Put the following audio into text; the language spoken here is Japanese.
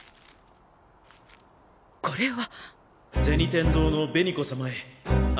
これは。